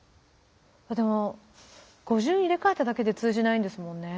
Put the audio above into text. でも語順入れ替えただけで通じないんですもんね。